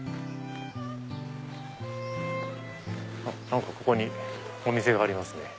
何かここにお店がありますね。